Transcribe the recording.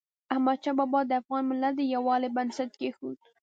احمدشاه بابا د افغان ملت د یووالي بنسټ کېښود.